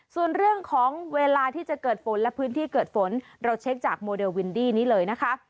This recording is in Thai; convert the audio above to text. ส่วนเรื่องของเวลาที่จะเกิดฝนและพื้นที่เกิดฝนเราเช็คจากโมเดลวินดี้นี้เลยนะคะ